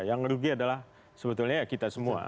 yang rugi adalah sebetulnya ya kita semua